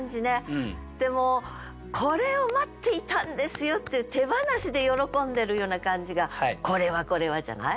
でもうこれを待っていたんですよっていう手放しで喜んでるような感じが「これはこれは」じゃない？